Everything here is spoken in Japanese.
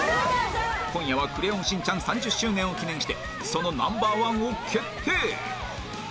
今夜は『クレヨンしんちゃん』３０周年を記念してその Ｎｏ．１ を決定